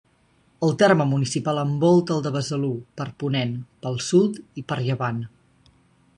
El terme municipal envolta el de Besalú per ponent, pel sud i per llevant.